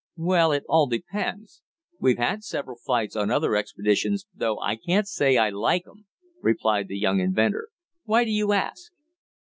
"Well, it all depends. We've had several fights on other expeditions, though I can't say that I like 'em," replied the young inventor. "Why do you ask?"